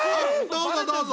どうぞどうぞ。